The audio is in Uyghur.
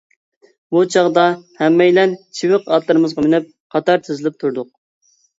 بۇ چاغدا ھەممەيلەن چىۋىق ئاتلىرىمىزغا مىنىپ، قاتار تىزىلىپ تۇردۇق.